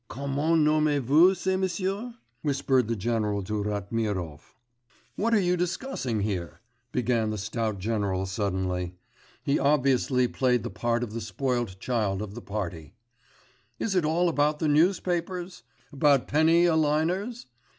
'Comment nommez vous ce monsieur?' whispered the general to Ratmirov. 'What are you discussing here?' began the stout general suddenly. He obviously played the part of the spoilt child of the party. 'Is it all about the newspapers? About penny a liners?